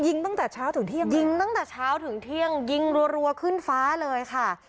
ตั้งแต่เช้าถึงเที่ยงยิงตั้งแต่เช้าถึงเที่ยงยิงรัวขึ้นฟ้าเลยค่ะ